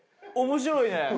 おもしろいね。